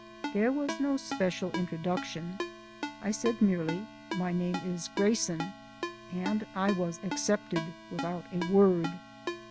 There was no especial introduction. I said merely, "My name is Grayson," and I was accepted without a word.